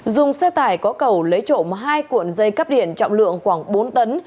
dùng xe tải có cầu lấy trộm hai cuộn dây cắp điện trọng lượng khoảng bốn tấn